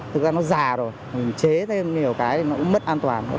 thực ra nó già rồi mình chế thêm nhiều cái nó cũng mất an toàn